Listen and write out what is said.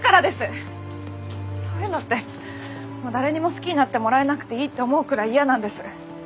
そういうのってもう誰にも好きになってもらえなくていいって思うくらい嫌なんです。